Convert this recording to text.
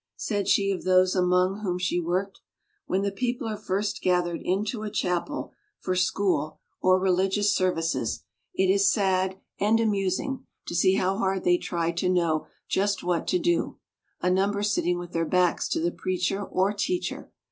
Said she of those among whom she worked: "When the peo ple are first gathered into a chapel for school 48 WOMEN OF ACHIEVEMENT or religious services, it is sad and amusing to see how hard they try to know just what to do, a number sitting with their backs to the preacher or teacher.